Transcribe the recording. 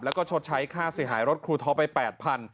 แล้วก็ชดใช้ค่าเสียหายรถครูท็อปไป๘๐๐